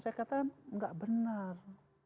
saya katakan enggak benar